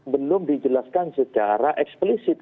belum dijelaskan secara eksplisit